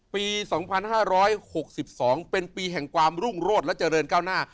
ปี๒๕๖๒เป็นปีแห่งความรุ่งโรดและเจริญก้าวหน้า